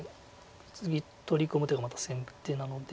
次取り込む手がまた先手なので。